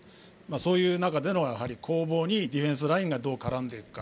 そういう中での攻防にディフェンスラインがどう絡んでいくか。